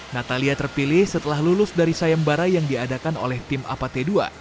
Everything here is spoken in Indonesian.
natalia terpilih setelah lulus dari sayembarai yang diadakan oleh tim apa t dua